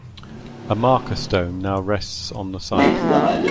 A marker stone now rests on the site.